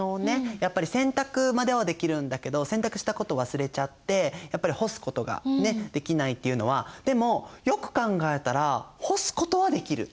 やっぱり洗濯まではできるんだけど洗濯したこと忘れちゃってやっぱり干すことができないっていうのはでもよく考えたら干すことはできる。